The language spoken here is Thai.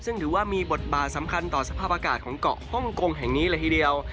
ซึ่งถือว่ามีบทบาทสำคัญต่อสภาพอากาศของเกาะฮ่องกงแห่งนี้เลยทีเดียว